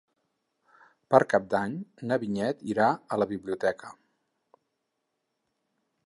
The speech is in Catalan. Per Cap d'Any na Vinyet irà a la biblioteca.